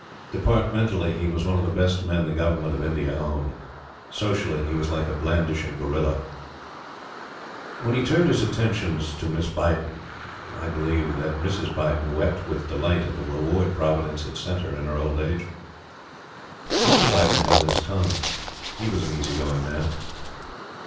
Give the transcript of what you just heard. Departmentally, he was one of the best men the Government of India owned. Socially, he was like a blandishing gorilla. When he turned his attentions to Miss Beighton, I believe that Mrs. Beighton wept with delight at the reward Providence had sent her in her old age. Mr. Beighton held his tongue. He was an easy going man.